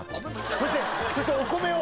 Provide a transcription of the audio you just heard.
そしてそしてお米を。